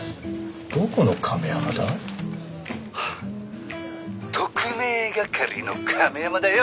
「はあ特命係の亀山だよ！」